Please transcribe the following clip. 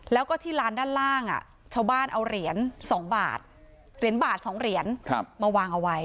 แล้วก็ที่ร้านด้านล่างชาวบ้านเอาเหรียญ๒บาทเหรียญบาท๒เหรียญมาวางเอาไว้